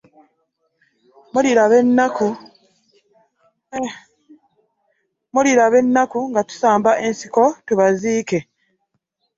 Muliraba ennaku nga tusamba ensiko tubaziike.